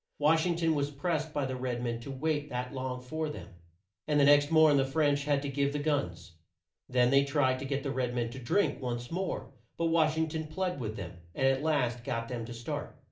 Wash ing ton was pressed by the red men to wait that long for them, and the next morn the French had to give the guns. Then they tried to get the red men to drink once more, but Wash ing ton plead with them, and at last got them to start.